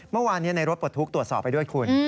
เมื่อวานนี้ในรถปลดทุกข์ตรวจสอบไปด้วยคุณ